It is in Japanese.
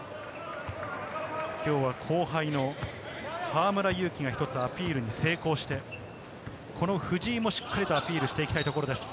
今日は後輩の河村勇輝が一つアピールに成功して、藤井もしっかりとアピールしていきたいところです。